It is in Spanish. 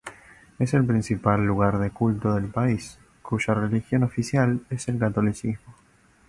Es el principal lugar de culto del país, cuya religión oficial es el catolicismo.